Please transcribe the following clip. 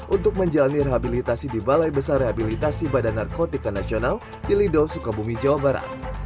untuk menjalani rehabilitasi di balai besar rehabilitasi badan narkotika nasional di lido sukabumi jawa barat